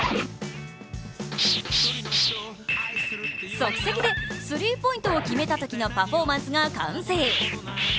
即席でスリーポイントを決めたときのパフォーマンスが完成。